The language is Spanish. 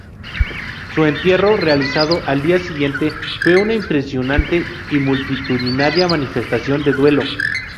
Su entierro, realizado al día siguiente, fue una impresionante y multitudinaria manifestación de duelo.